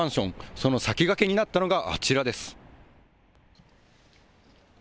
その先駆けになったのがあちらです。